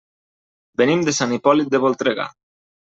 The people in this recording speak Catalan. Venim de Sant Hipòlit de Voltregà.